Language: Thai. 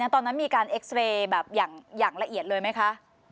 ตอนนั้นมีการเอ็กซ์เรย์แบบอย่างละเอียดเลยไหมคะ